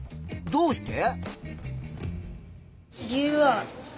どうして？